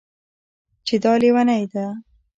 چې دا لېونۍ ده